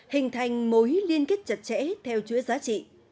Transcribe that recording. hình thành mối liên kết chặt chẽ theo chuỗi giá trị